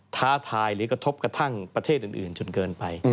ท้าทายหรือกระทบกระทั่งประเทศอื่นจนเกินไป